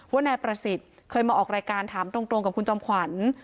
ว่านายประสิทธิ์เคยมาออกรายการถามตรงกับคุณจอมขวัญ